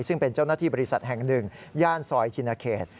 ซึ่งเป็นเจ้าหน้าที่บริษัทแห่งหนึ่งย่านซอยชินเขต